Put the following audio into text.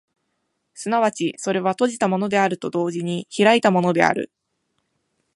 即ちそれは閉じたものであると同時に開いたものである。